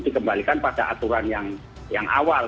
dikembalikan pada aturan yang awal